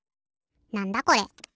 なんだこれ？